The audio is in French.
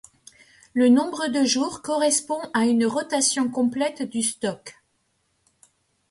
Le nombre de jour correspond à une rotation complète du stock.